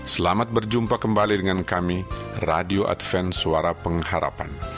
selamat berjumpa kembali dengan kami radio advan suara pengharapan